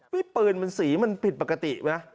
นี่ปืนมันสีมันผิดปกติไหม